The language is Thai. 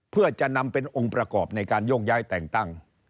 เพื่อจะนำเป็นองค์ประกอบในการโยกย้ายแต่งตั้ง